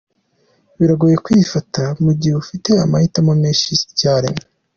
Biragoye kwifata mu gihe ufite amahitamo menshi icyarimwe.